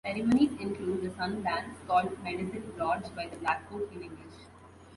Ceremonies include the Sun Dance, called Medicine Lodge by the Blackfoot in English.